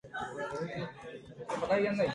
今でも記憶している